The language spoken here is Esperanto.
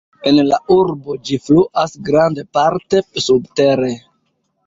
En la urbo ĝi fluas grandparte subtere.